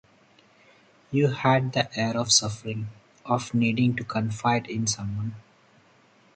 You had the air of suffering, of needing to confide in someone.